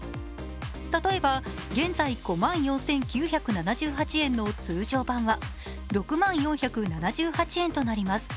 例えば現在５万４９７８円の通常版は６万４７８円となります。